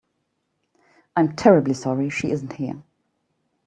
I'm terribly sorry she isn't here.